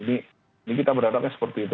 ini kita berharapnya seperti itu